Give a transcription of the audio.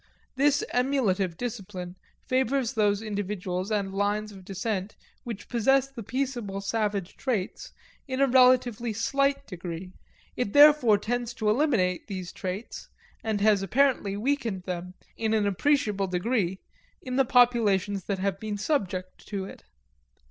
This emulative discipline favors those individuals and lines of descent which possess the peaceable savage traits in a relatively slight degree. It therefore tends to eliminate these traits, and it has apparently weakened them, in an appreciable degree, in the populations that have been subject to it.